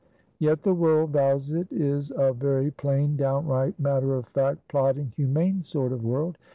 Yet the world vows it is a very plain, downright matter of fact, plodding, humane sort of world.